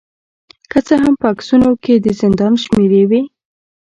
که څه هم په عکسونو کې د زندان شمیرې وې